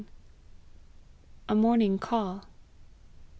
A MORNING CALL.